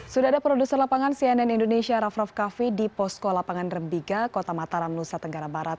sudah ada produser lapangan cnn indonesia raff raff kaffi di posko lapangan rembiga kota mataram nusa tenggara barat